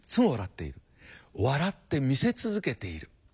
笑ってみせ続けている。